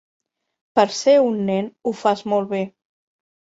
Per ser un nen, ho fas molt bé.